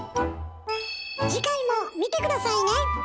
次回も見て下さいね！